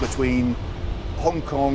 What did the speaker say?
men dan wanita hongkong